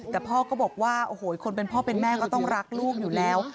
แต่พ่อก็บอกว่าโอ้โหคนเป็นพ่อเป็นแม่ก็ต้องรักลูกอยู่แล้ว